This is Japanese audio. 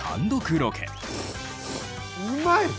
うまい！